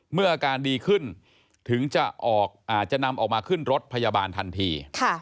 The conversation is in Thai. อาการดีขึ้นถึงจะนำออกมาขึ้นรถพยาบาลทันที